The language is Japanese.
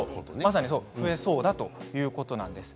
正に増えそうだということです。